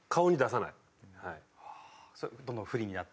それどんどん不利になって？